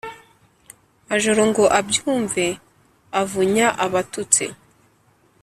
Majoro ngo abyumve avunya Abatutsi,